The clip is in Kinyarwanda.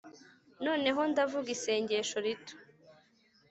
noneho, ndavuga isengesho rito